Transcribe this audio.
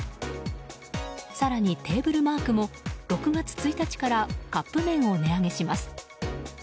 更にテーブルマークも６月１日からカップ麺を値上げします。